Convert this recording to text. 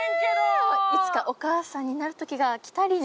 いつかお母さんになるときが来たりね。